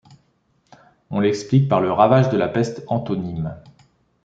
On l'explique par les ravages de la peste antonine.